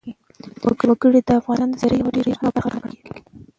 وګړي د افغانستان د سیلګرۍ یوه ډېره مهمه برخه ګڼل کېږي.